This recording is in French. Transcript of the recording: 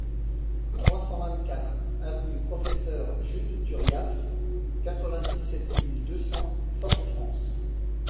trois cent vingt-quatre avenue Professeur Judes Turiaf, quatre-vingt-dix-sept mille deux cents Fort-de-France